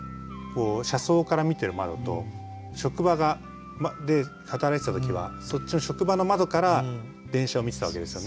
車窓から見てる窓と職場で働いてた時はそっちの職場の窓から電車を見てたわけですよね。